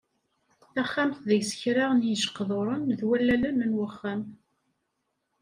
Taxxamt deg-s kra n yijeqḍuren d wallalen n uxxam.